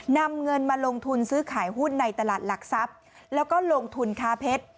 นำเงินมาลงทุนซื้อขายหุ้นในตลาดหลักทรัพย์แล้วก็ลงทุนค้าเพชร